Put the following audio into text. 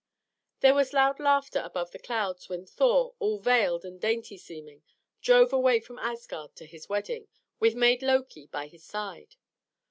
There was loud laughter above the clouds when Thor, all veiled and dainty seeming, drove away from Asgard to his wedding, with maid Loki by his side.